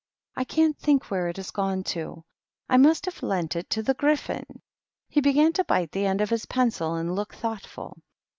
I can't think where it has gone to; I must have lent it to the Gryphon." He began to bite the end of his pen cil and look thoughtful.